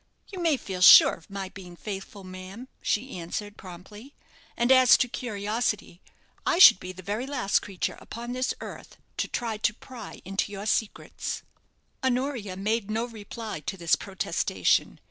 "You may feel sure of my being faithful, ma'am," she answered, promptly; "and as to curiosity, I should be the very last creature upon this earth to try to pry into your secrets." Honoria made no reply to this protestation.